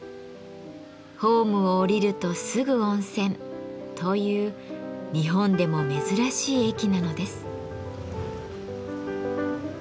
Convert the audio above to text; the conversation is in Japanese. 「ホームを降りるとすぐ温泉」という日本でも珍しい駅なのです。